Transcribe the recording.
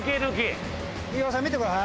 飯尾さん見てください。